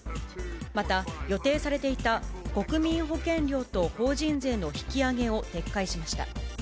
また、予定されていた国民保険料と法人税の引き上げを撤回しました。